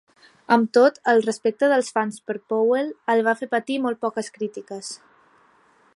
Amb tot, el respecte dels fans per Powell el va fer patir molt poques crítiques.